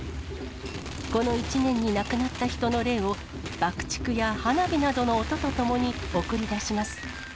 この１年に亡くなった人の霊を、爆竹や花火などの音とともに送り出します。